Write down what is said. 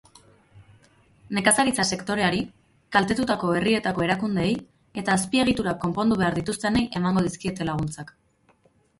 Nekazaritza-sektoreari, kaltetutako herrietako erakundeei eta azpiegiturak konpondu behar dituztenei emango dizkiete laguntzak.